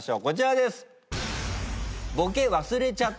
こちらです。